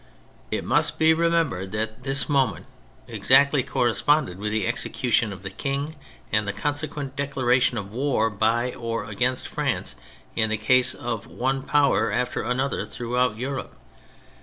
It must be re* membered that this moment exactly corre sponded with the execution of the King and the consequent declaration of war by or against France in the case of one Power aftef another throughout Europe.